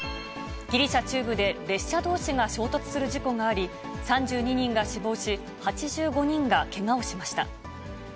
ギリシャ中部で列車どうしが衝突する事故があり、３２人が死亡し、８５人がけがをしました。